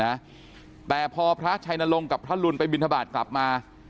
เขาแปลพอพระไชนรงค์และพระลุนฆ์กลายบินทบาทกลับมา